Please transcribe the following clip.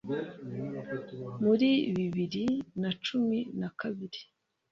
muri bibiri nacumi nakabiri